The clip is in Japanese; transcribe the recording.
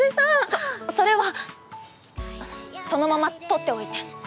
そそれはそのまま取っておいて。